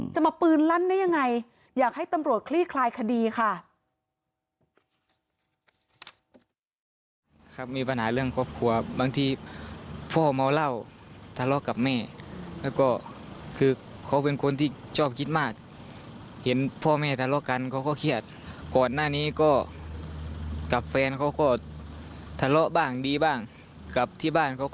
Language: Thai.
จะมาปืนลั่นได้ยังไง